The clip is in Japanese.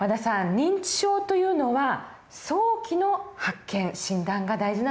認知症というのは早期の発見診断が大事なんですね。